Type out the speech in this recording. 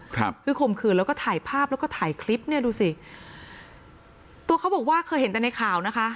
ครับคือข่มขืนแล้วก็ถ่ายภาพแล้วก็ถ่ายคลิปเนี่ยดูสิตัวเขาบอกว่าเคยเห็นแต่ในข่าวนะคะ